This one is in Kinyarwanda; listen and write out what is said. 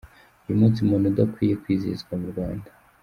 Uyu munsi mbona udakwiye kwizihizwa mu Rwanda.